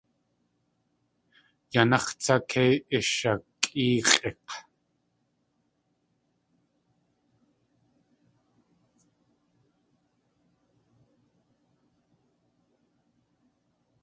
Yanax̲ tsá kei ishakʼéex̲ʼik̲!